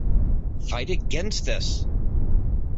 Fight against this.